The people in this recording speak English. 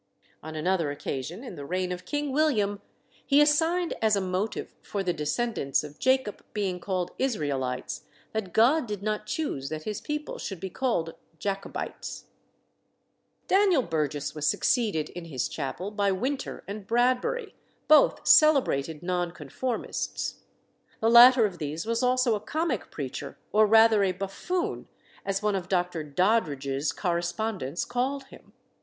On another occasion, in the reign of King William, he assigned as a motive for the descendants of Jacob being called Israelites, that God did not choose that His people should be called Jacobites. Daniel Burgess was succeeded in his chapel by Winter and Bradbury, both celebrated Nonconformists. The latter of these was also a comic preacher, or rather a "buffoon," as one of Dr. Doddridge's correspondents called him.